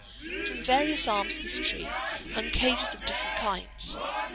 From various arms of this tree hung cages of different kinds.